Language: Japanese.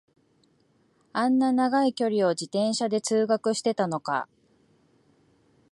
あんな長い距離を自転車で通学してたのか